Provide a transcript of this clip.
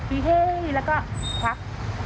พี่เฮ้แล้วก็คัก